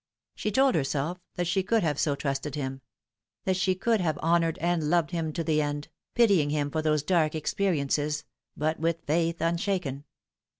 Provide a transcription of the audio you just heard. She told herself that she could have so trusted him ; that she could have honoured and loved him to the end, pitying him for those dark experiences, but with faith unshaken.